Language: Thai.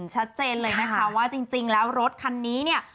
ชัดเจนเลยนะคะว่าจริงแล้วรถคันนี้เนี่ย